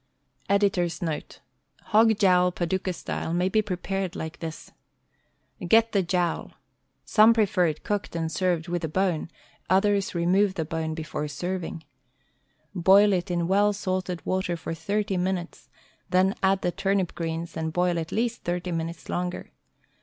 Editor's Note: — Hog Jowl, Paducah. Style,, may, be pre pared like this: Get the jowl. Some prefer it cooked and served with the bone ; others remove the bone before serving. Boil it in well salted water for thirty minutes, then add the turnip greens and boil at least thirty minutes longer.